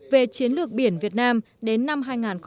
về chiến lược biển việt nam đến năm hai nghìn ba mươi